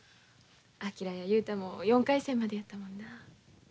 昭や雄太も４回戦までやったもんなあ。